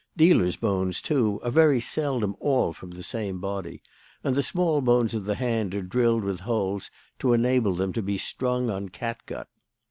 Dealers' bones, too, are very seldom all from the same body; and the small bones of the hand are drilled with holes to enable them to be strung on catgut.